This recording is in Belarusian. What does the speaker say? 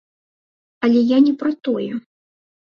Але я не пра тое.